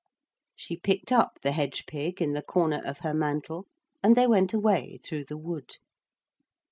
She picked up the hedge pig in the corner of her mantle and they went away through the wood.